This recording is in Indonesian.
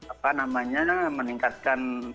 apa namanya meningkatkan